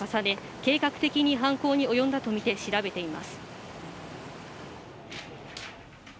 計画的に犯行におよんだとみて調べています。